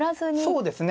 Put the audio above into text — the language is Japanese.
そうですね。